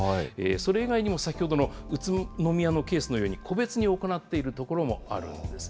それ以外にも、先ほどの宇都宮のケースのように、個別に行っているところもあるんです。